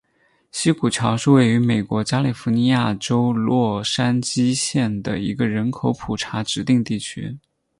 西谷桥是位于美国加利福尼亚州洛杉矶县的一个人口普查指定地区。